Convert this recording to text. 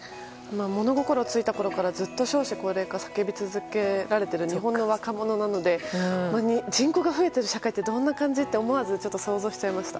物心ついたころからずっと少子高齢化が叫び続けられている日本の若者なので人口が増えている社会ってどんな感じ？と思わず想像しちゃいました。